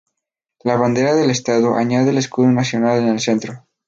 La bandera del Estado añade el escudo nacional en el centro.